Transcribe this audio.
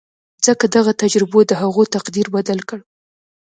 ځکه دغو تجربو د هغه تقدير بدل کړ.